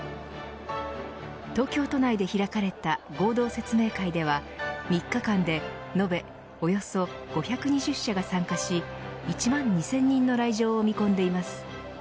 東京都内で開かれた合同説明会では３日間で延べおよそ５２０社が参加し１万２０００人の来場を見込んでいます。